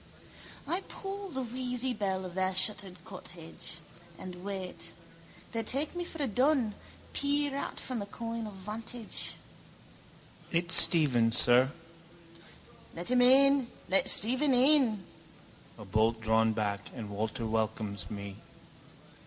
I pull the wheezy bell of their shuttered cottage: and wait. They take me for a dun, peer out from a coign of vantage. —It's Stephen, sir. —Let him in. Let Stephen in. A bolt drawn back and Walter welcomes me.